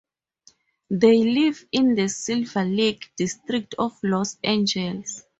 They live in the Silver Lake district of Los Angeles.